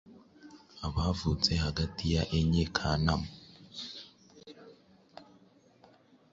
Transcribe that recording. abavutse hagati ya enye Kanama